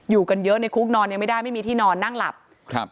กันเยอะในคุกนอนยังไม่ได้ไม่มีที่นอนนั่งหลับครับ